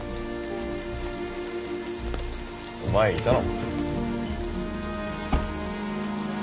お前いたの？